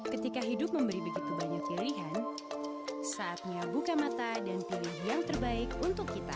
ketika hidup memberi begitu banyak pilihan saatnya buka mata dan pilih yang terbaik untuk kita